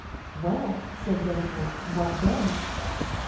"Well," said Villefort, "what then?"